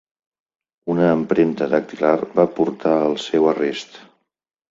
Una empremta dactilar va portar al seu arrest.